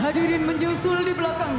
hadirin menyusul di belakangnya